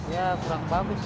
ya kurang bagus sih